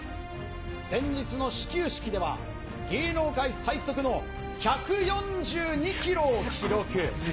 先日の始球式では、芸能界最速の１４２キロを記録。